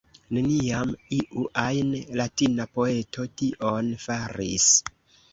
Neniam iu ajn Latina poeto tion faris!